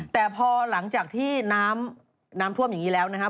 แต่พอหลังจากที่น้ำน้ำท่วมอย่างนี้แล้วนะครับ